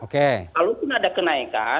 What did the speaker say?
kalaupun ada kenaikan